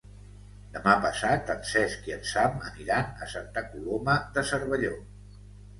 Demà passat en Cesc i en Sam aniran a Santa Coloma de Cervelló.